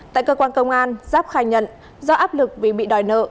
tại cơ quan công an giáp khai nhận do áp lực vì bị đòi nợ